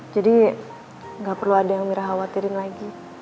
jadi gak perlu ada yang mira khawatirin lagi